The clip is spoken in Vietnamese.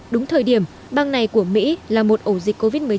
đúng thời điểm bang này của mỹ là một ổ dịch covid một mươi chín lớn trên thế giới